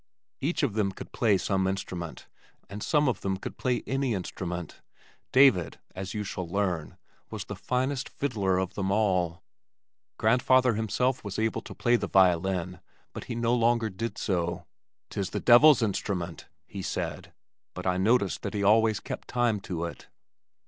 Each of them could play some instrument and some of them could play any instrument. David, as you shall learn, was the finest fiddler of them all. Grandad himself was able to play the violin but he no longer did so. "'Tis the Devil's instrument," he said, but I noticed that he always kept time to it.